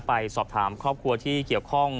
ไปสอบถามครอบครัวที่เกี่ยวข้อง